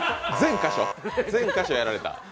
全箇所やられた。